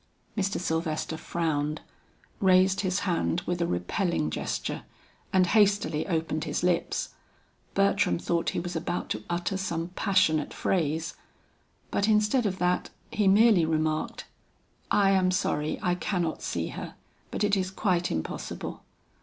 Mr. Sylvester frowned, raised his hand with a repelling gesture, and hastily opened his lips. Bertram thought he was about to utter some passionate phrase. But instead of that he merely remarked, "I am sorry I cannot see her, but it is quite impossible.